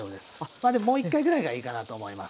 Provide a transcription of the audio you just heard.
まあもう一回ぐらいがいいかなと思います。